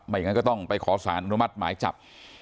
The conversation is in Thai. อย่างนั้นก็ต้องไปขอสารอนุมัติหมายจับ